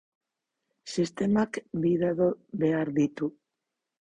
Sistemak bi dado behar ditu